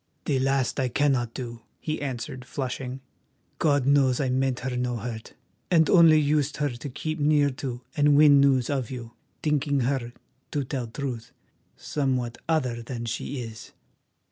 "The last I cannot do," he answered, flushing. "God knows I meant her no hurt, and only used her to keep near to and win news of you, thinking her, to tell truth, somewhat other than she is."